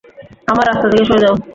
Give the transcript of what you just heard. আমার রাস্তা থেকে সরে যাও।